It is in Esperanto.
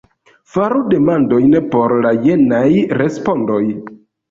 Faru demandojn por la jenaj respondoj.